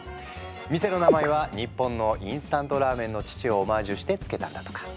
店の名前は日本のインスタントラーメンの父をオマージュして付けたんだとか。